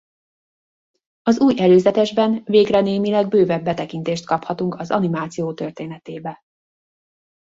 Az új előzetesben végre némileg bővebb betekintést kaphatunk az animáció történetébe.